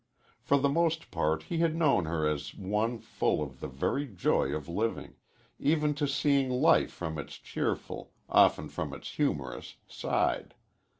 For the most part he had known her as one full of the very joy of living, given to seeing life from its cheerful, often from its humorous, side.